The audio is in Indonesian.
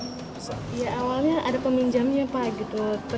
ya awalnya ada peminjamnya pak gitu